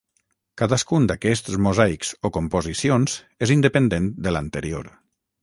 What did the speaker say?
Cadascun d'aquests mosaics o composicions és independent de l'anterior.